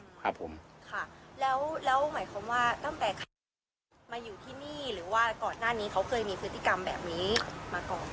แล้วหมายความว่าตั้งแต่เขามาอยู่ที่นี่